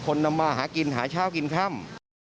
นำมาหากินหาเช้ากินค่ำ